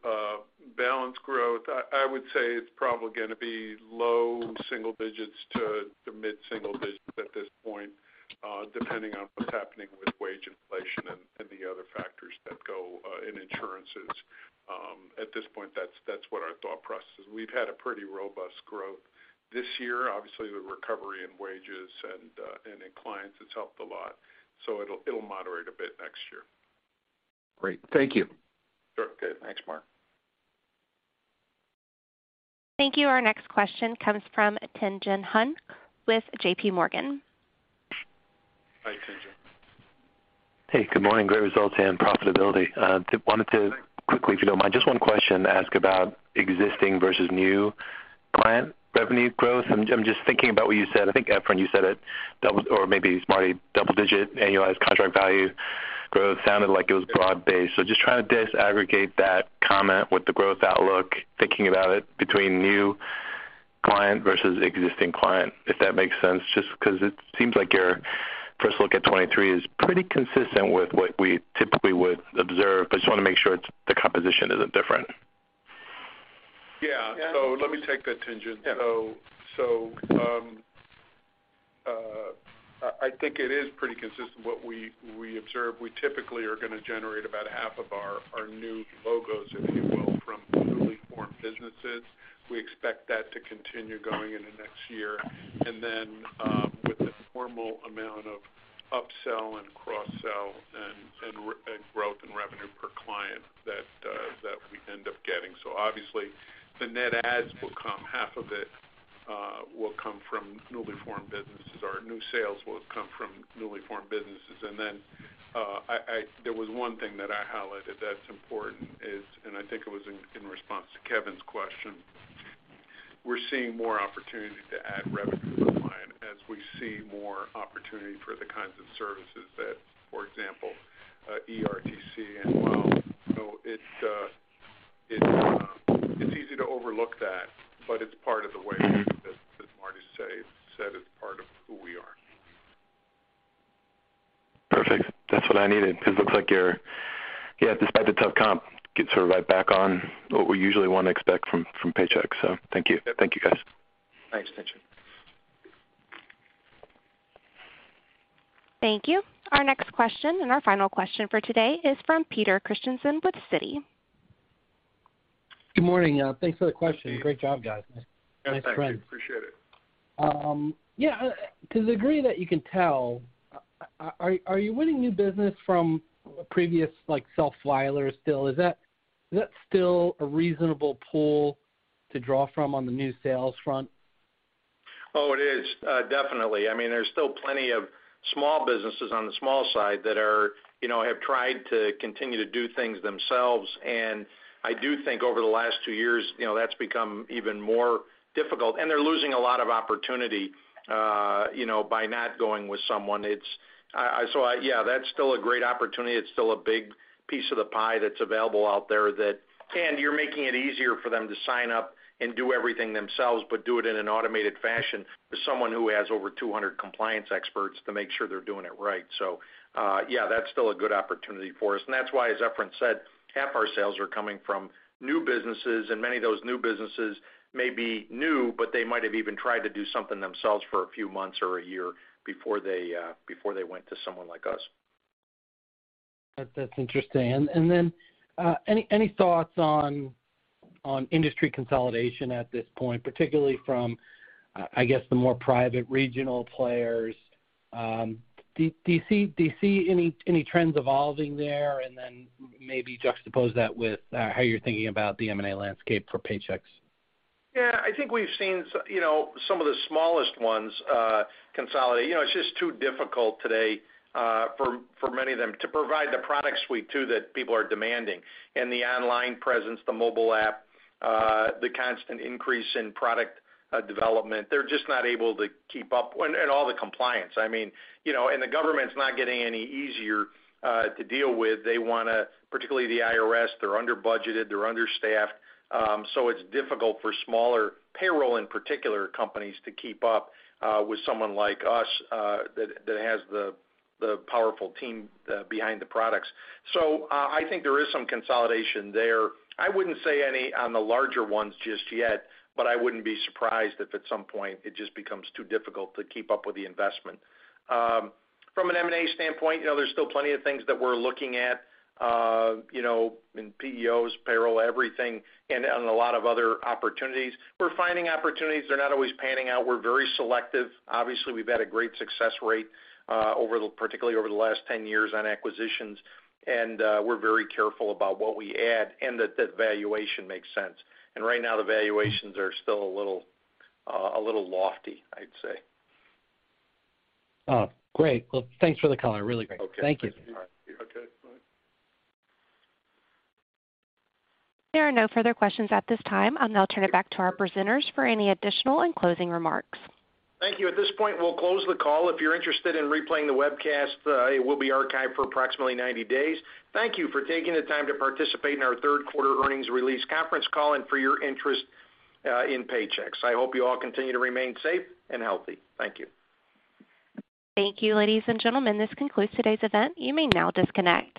base growth, I would say it's probably gonna be low single digits to the mid-single digits at this point, depending on what's happening with wage inflation and the other factors that go in insurance. At this point, that's what our thought process is. We've had a pretty robust growth this year. Obviously, the recovery in wages and in clients has helped a lot. It'll moderate a bit next year. Great. Thank you. Sure. Okay. Thanks, Mark. Thank you. Our next question comes from Tien-Tsin Huang with JP Morgan. Hi, Tien-Tsin Huang. Hey, good morning. Great results and profitability. Wanted to quickly, if you don't mind, just one question to ask about existing versus new client revenue growth. I'm just thinking about what you said. I think, Efrain, you said it, or maybe Marty, double-digit annualized contract value growth sounded like it was broad-based. Just trying to disaggregate that comment with the growth outlook, thinking about it between new client versus existing client, if that makes sense. Just 'cause it seems like your first look at 2023 is pretty consistent with what we typically would observe. I just wanna make sure it's the composition isn't different. Yeah. Let me take that, Tien-Tsin Huang. Yeah. I think it is pretty consistent what we observe. We typically are gonna generate about half of our new logos, if you will, from newly formed businesses. We expect that to continue going into next year. With the normal amount of upsell and cross-sell and growth and revenue per client that we end up getting. Obviously, the net adds will come. Half of it will come from newly formed businesses, or new sales will come from newly formed businesses. There was one thing that I highlighted that's important is, and I think it was in response to Kevin's question. We're seeing more opportunity to add revenue per client as we see more opportunity for the kinds of services that, for example, ERTC and well, you know, it's easy to overlook that, but it's part of the way that Marty said it's part of who we are. Perfect. That's what I needed 'cause it looks like you're, yeah, despite the tough comp, getting sort of right back on what we usually wanna expect from Paychex. Thank you. Thank you, guys. Thanks, Tien-Tsin. Thank you. Our next question and our final question for today is from Peter Christiansen with Citi. Good morning. Thanks for the question. Great job, guys. Yeah, thank you. Appreciate it. Yeah, to the degree that you can tell, are you winning new business from previous, like, self-filers still? Is that still a reasonable pool to draw from on the new sales front? Oh, it is definitely. I mean, there's still plenty of small businesses on the small side that are, you know, have tried to continue to do things themselves. I do think over the last two years, you know, that's become even more difficult, and they're losing a lot of opportunity, you know, by not going with someone. Yeah, that's still a great opportunity. It's still a big piece of the pie that's available out there. You're making it easier for them to sign up and do everything themselves, but do it in an automated fashion with someone who has over 200 compliance experts to make sure they're doing it right. Yeah, that's still a good opportunity for us. That's why, as Efrain said, half our sales are coming from new businesses, and many of those new businesses may be new, but they might have even tried to do something themselves for a few months or a year before they went to someone like us. That's interesting. Then any thoughts on industry consolidation at this point, particularly from, I guess, the more private regional players? Do you see any trends evolving there? Then maybe juxtapose that with how you're thinking about the M&A landscape for Paychex. Yeah. I think we've seen some of the smallest ones consolidate. You know, it's just too difficult today for many of them to provide the product suite that people are demanding. The online presence, the mobile app, the constant increase in product development, they're just not able to keep up. All the compliance. I mean, you know, the government's not getting any easier to deal with. They wanna, particularly the IRS, they're under-budgeted, they're understaffed. So it's difficult for smaller payroll, in particular, companies to keep up with someone like us that has the powerful team behind the products. So I think there is some consolidation there. I wouldn't say any on the larger ones just yet, but I wouldn't be surprised if at some point it just becomes too difficult to keep up with the investment. From an M&A standpoint, you know, there's still plenty of things that we're looking at, you know, in PEOs, payroll, everything, and in a lot of other opportunities. We're finding opportunities. They're not always panning out. We're very selective. Obviously, we've had a great success rate, particularly over the last 10 years on acquisitions, and we're very careful about what we add and that the valuation makes sense. Right now, the valuations are still a little lofty, I'd say. Oh, great. Well, thanks for the color. Really great. Okay. Thank you. All right. Okay. Bye. There are no further questions at this time. I'll now turn it back to our presenters for any additional and closing remarks. Thank you. At this point, we'll close the call. If you're interested in replaying the webcast, it will be archived for approximately 90 days. Thank you for taking the time to participate in our third quarter earnings release conference call and for your interest in Paychex. I hope you all continue to remain safe and healthy. Thank you. Thank you, ladies and gentlemen. This concludes today's event. You may now disconnect.